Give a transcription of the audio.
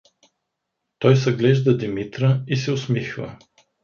Той съглежда Димитра и се усмихва.